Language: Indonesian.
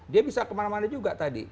dia bisa kemana mana juga tadi